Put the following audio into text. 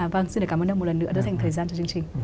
vâng xin cảm ơn ông một lần nữa đã dành thời gian cho chương trình